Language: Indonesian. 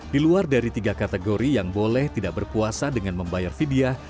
diluar dari tiga kategori yang boleh tidak berpuasa dengan membayar vidya